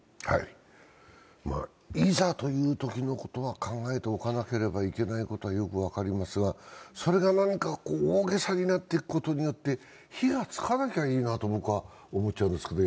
いざという時のことは考えておかなければいけないことはよく分かりますが、それが何か大げさになっていくことによって火がつかなきゃいいなと、僕は思っちゃうんですけど。